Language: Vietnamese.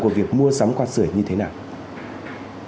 của việc mua sắm quạt sởi như thế nào